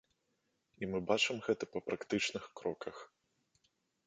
І мы бачым гэта па практычных кроках.